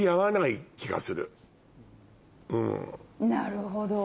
なるほど。